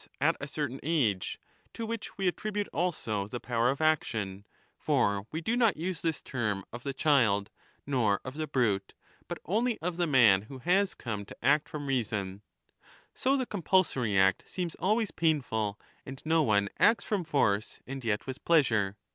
M 3 1224^ ETHICA EUDEMIA at a certain age, to which we attribute also the power of action ; for we do not use this term of the child, nor of the brute, but only of the man who has come to act from 30 reason. So the compulsory act seems always painful, and no one acts from force and yet with pleasure.